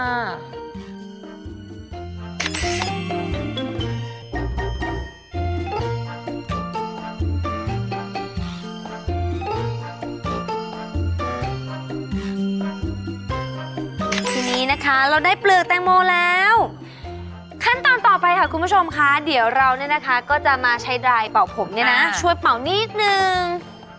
ทีนี้นะคะเราได้เปลือกแตงโมแล้วขั้นตอนต่อไปค่ะคุณผู้ชมค่ะเดี๋ยวเราเนี่ยนะคะก็จะมาใช้ดายเป่าผมเนี่ยนะช่วยเป่านิดนึง